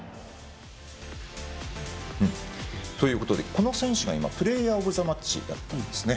この選手がプレーヤーオブザマッチだったんですね。